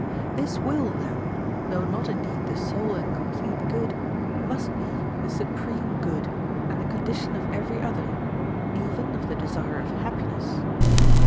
This will then, though not indeed the sole and complete good, must be the supreme good and the condition of every other, even of the desire of happiness.